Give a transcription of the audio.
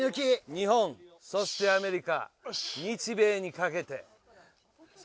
日本そしてアメリカ日米にかけて。